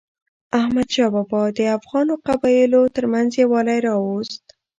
احمدشاه بابا د افغانو قبایلو ترمنځ یووالی راوست.